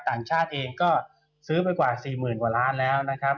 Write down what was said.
ต่างชาติเองก็ซื้อไปกว่า๔๐๐๐กว่าล้านแล้วนะครับ